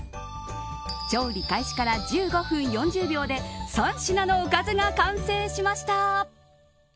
調理開始から１５分４０秒で３品のおかずが完成しました。